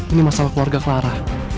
ini masalah keluarga clara